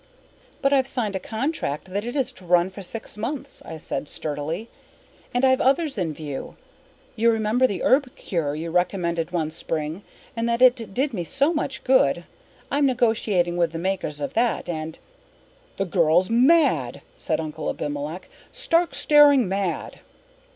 "But I've signed a contract that it is to run for six months," I said sturdily. "And I've others in view. You remember the Herb Cure you recommended one spring and that it did me so much good! I'm negotiating with the makers of that and " "The girl's mad!" said Uncle Abimelech. "Stark, staring mad!"